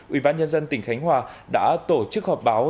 ubnd tỉnh khánh hòa đã tổ chức họp báo